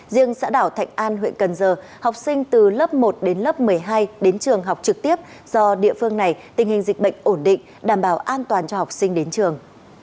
riêng xã đảo thạnh an huyện cần giờ học sinh từ lớp một đến lớp một mươi hai đến trường học trực tiếp do địa phương này tình hình dịch bệnh ổn định đảm bảo an toàn cho học sinh đến trường